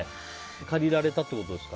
借りられたってことですか？